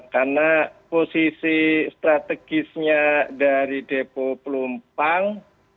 karena posisi strategisnya dari depo pelumpang